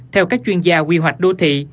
theo các chuyên gia quy hoạch đô thị